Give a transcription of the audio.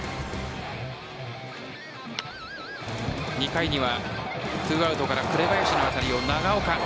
２回には２アウトから紅林の当たりを長岡。